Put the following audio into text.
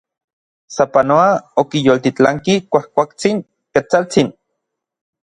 Sapanoa okiyoltilanki kuajkuaktsin Ketsaltsin.